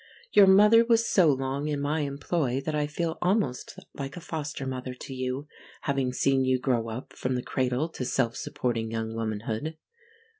Your mother was so long in my employ that I feel almost like a foster mother to you, having seen you grow up from the cradle to self supporting young womanhood.